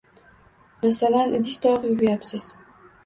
Masalan, idish-tovoq yuvayapsiz.